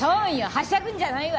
はしゃぐんじゃないわよ。